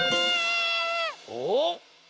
おっ！